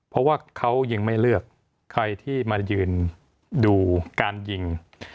เพราะว่าเขายิงไม่เลือกใครที่มายืนดูการยิง